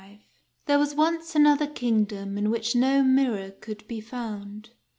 ¥ T HERE was once another kingdom in which no mirror could be found.